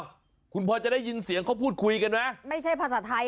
อะคุณพอจะได้ยินเสียงเขาพูดคุยกันไหม